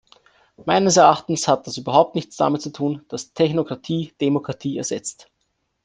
Meines Erachtens hat das überhaupt nichts damit zu tun, dass Technokratie Demokratie ersetzt.